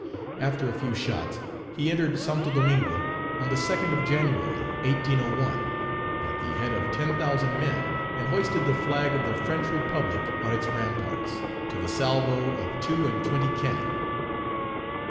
After a few shots, he entered Santo Domingo on the 2d of January, 1801, at the head of 10,000 men, and hoisted the flag of the French Republic on its ramparts, to the salvo of two and twenty cannon.